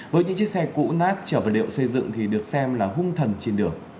với những chiếc xe cũ nát trở về đều xây dựng thì được xem là hung thần trên đường